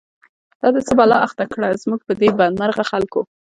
دا دی څه بلا اخته کړه، زمونږ په دی بد مرغوخلکو